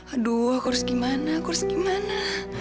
aduh aku harus gimana aku harus gimana